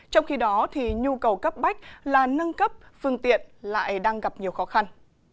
trong khi đó nhu cầu cấp bách là nâng cấp phương tiện lại đang gặp nhiều khó khăn